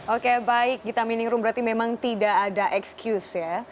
oke baik gita minirum berarti memang tidak ada excuse ya